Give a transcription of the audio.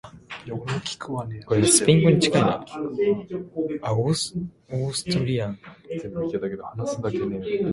El desendolcador nun apurrió'l rexistru de cambeos.